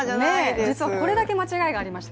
実はこれだけ間違いがありました。